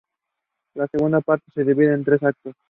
La segunda parte se divide en tres actos.